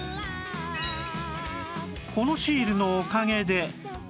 このシールのおかげで